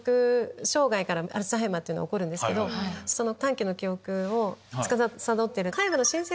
障害からアルツハイマーは起こるんですけど短期の記憶をつかさどってる。